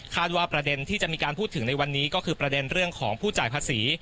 ว่าประเด็นที่จะมีการพูดถึงในวันนี้ก็คือประเด็นเรื่องของผู้จ่ายภาษี